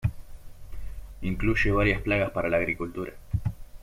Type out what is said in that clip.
Incluye varias plagas para la agricultura.